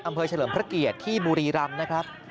เฉลิมพระเกียรติที่บุรีรำนะครับ